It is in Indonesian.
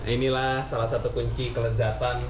inilah salah satu kunci kelezatan di jepang